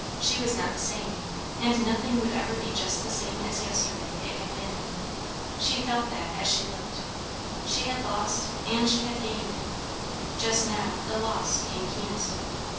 She was not the same, and nothing would ever be just the same as yesterday it had been. She felt that, as she looked. She had lost and she had gained. Just now the loss came keenest.